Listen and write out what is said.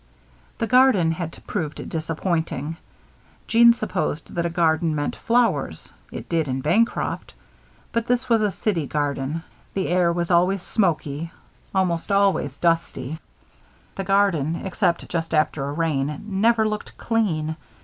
The garden had proved disappointing. Jeanne supposed that a garden meant flowers it did in Bancroft. But this was a city garden. The air was always smoky, almost always dusty. The garden, except just after a rain, never looked clean.